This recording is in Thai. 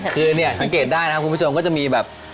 คือเนี่ยสังเกตได้นะครับคุณผู้ชมก็จะมีแบบ